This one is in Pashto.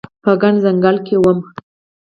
په ګڼ ځنګل کې وم